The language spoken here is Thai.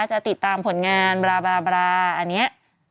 จะติดตามผลงานบลาอันนี้